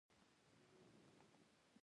خر له پل څخه سیند ته وغورځید او مړ شو.